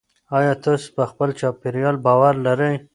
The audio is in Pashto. آيا تاسو په خپل چاپېريال باور لرئ؟